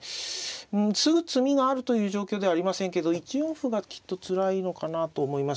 うんすぐ詰みがあるという状況ではありませんけど１四歩がきっとつらいのかなと思いますね。